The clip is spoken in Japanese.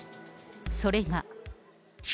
それが。